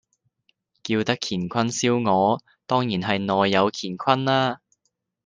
叫得乾坤燒鵝，當然係內有乾坤啦